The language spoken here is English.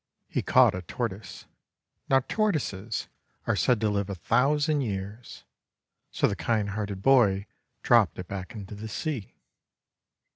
He caught a Tortoise. Now Tortoises are said to live a thousand years, so the kind hearted boy dropped it back into the sea.